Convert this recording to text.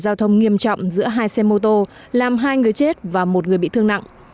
giao thông nghiêm trọng giữa hai xe mô tô làm hai người chết và một người bị thương nặng